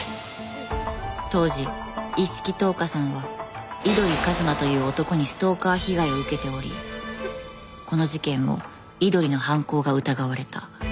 当時一色橙花さんは井鳥一馬という男にストーカー被害を受けておりこの事件も井鳥の犯行が疑われた。